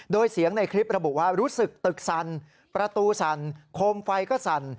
โดยเสียงในคลิประบุว่ารู้สึกตึกสั่นประตูสั่นโคมไฟก็สั่น